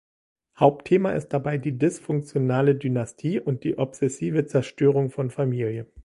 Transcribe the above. Hauptthema ist dabei die dysfunktionale Dynastie und die obsessive Zerstörung von Familie.